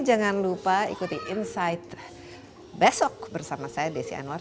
jangan lupa ikuti insight besok bersama saya desi anwar